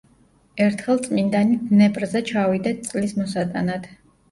ერთხელ წმინდანი დნეპრზე ჩავიდა წყლის მოსატანად.